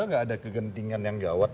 nggak ada kegentingan yang gawat